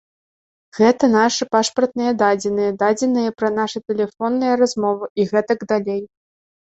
Гэта нашы пашпартныя дадзеныя, дадзеныя пра нашы тэлефонныя размовы і гэтак далей.